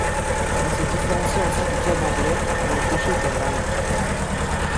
Il se différenciait ainsi du cab anglais dont le cocher était à l'arrière.